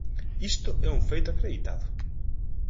Isto é un feito acreditado.